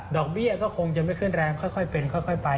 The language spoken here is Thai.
เบี้ยก็คงจะไม่ขึ้นแรงค่อยเป็นค่อยไป